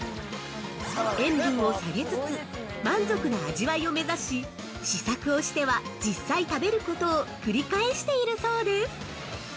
◆塩分を下げつつ、満足な味わいを目指し、試作をしては実際食べることを繰り返しているそうです。